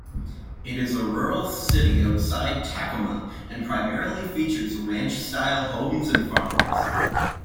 It is a rural city outside Tacoma and primarily features ranch-style homes and farms.